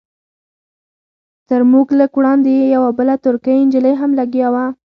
تر موږ لږ وړاندې یوه بله ترکۍ نجلۍ هم لګیا وه.